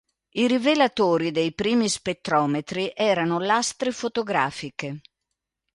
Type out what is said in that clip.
I rivelatori dei primi spettrometri erano lastre fotografiche.